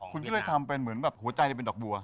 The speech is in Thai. คุณก็เลยทำเป็นเหมือนแบบหัวใจเป็นดอกบัว